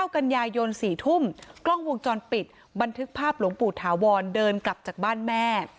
กันยายน๔ทุ่มกล้องวงจรปิดบันทึกภาพหลวงปู่ถาวรเดินกลับจากบ้านแม่